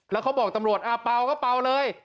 แล้วเขาบอกตำรวจเปล่าก็เปล่าเลย